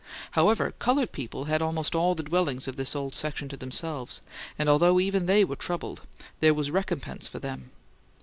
However, coloured people had almost all the dwellings of this old section to themselves; and although even they were troubled, there was recompense for them.